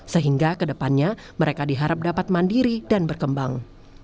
sehingga kedepannya mereka diharap dapat mandiri dan berkembang